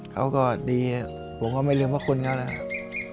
เขาก็ดีผมก็ไม่ลืมพระคุณเขานะครับ